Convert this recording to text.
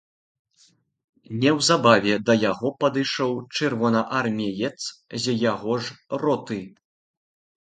Неўзабаве да яго падышоў чырвонаармеец з яго ж роты.